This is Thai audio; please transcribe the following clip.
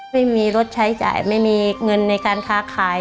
ไม่มีรถใช้จ่ายไม่มีเงินในการค้าขาย